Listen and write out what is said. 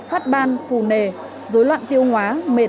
phát ban phù nề dối loạn tiêu hóa mệt